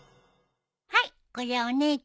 はいこれはお姉ちゃんの分。